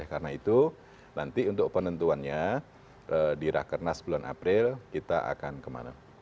karena itu nanti untuk penentuannya di rakhkarnas bulan april kita akan kemana